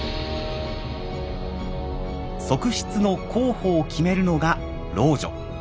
側室の候補を決めるのが老女。